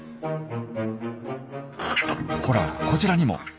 ほらこちらにも。